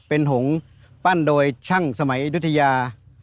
เป็นหงษ์ปั้นโดยช่างสมัยอายุทยา